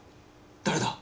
誰だ？